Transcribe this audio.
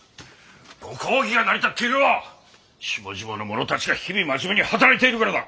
御公儀が成り立っているのは下々の者たちが日々真面目に働いているからだ！